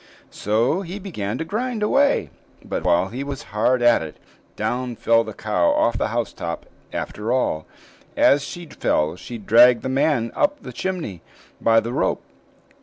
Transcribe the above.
So he began to grind away; but while he was hard at it, down fell the cow off the housetop after all, and as she fell she dragged the man up the chimney, by the rope.